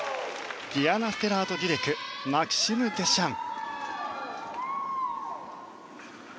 ディアナ・ステラート・デュデクマキシム・デシャン。